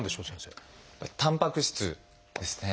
たんぱく質ですね。